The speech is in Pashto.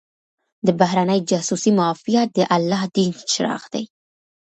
د بهرنۍ جاسوسۍ معافیت د الله دین چراغ دی.